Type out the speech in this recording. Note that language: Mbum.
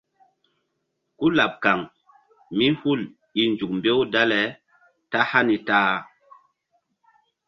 Kú laɓ kaŋ mí hul i nzuk mbew dale ta hani ta-a.